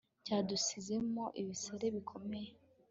cyadusizemo ibisare bikomeye